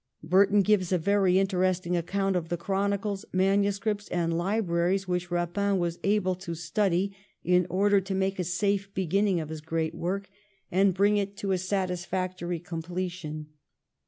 Burton gives a very interesting account of the chronicles, manuscripts, and libraries which Eapin was able to study in order to make a safe beginning of his great work and bring it to a satisfactory completion.